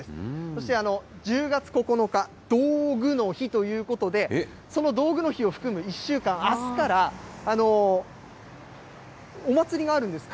そして１０月９日、道具の日ということで、その道具の日を含む、１週間、あすから、お祭りがあるんです。